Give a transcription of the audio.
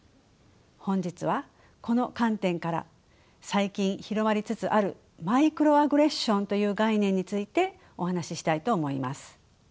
本日はこの観点から最近広まりつつあるマイクロアグレッションという概念についてお話ししたいと思います。